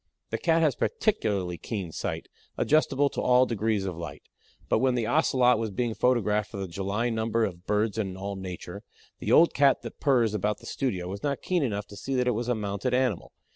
The Cat has particularly keen sight, adjustable to all degrees of light. But when the Ocelot was being photographed for the July number of BIRDS AND ALL NATURE the old Cat that purrs about the studio was not keen enough to see that it was a mounted animal.